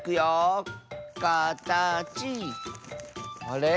あれ？